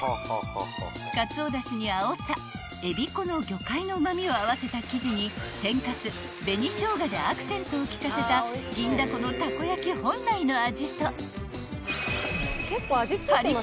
［鰹だしにあおさえび粉の魚介のうま味を合わせた生地に天かす紅しょうがでアクセントを利かせた銀だこのたこ焼本来の味と］